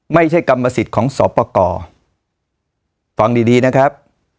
ไม่ใช่กรรมสิทธิ์ของสอบประกอบฟังดีดีนะครับ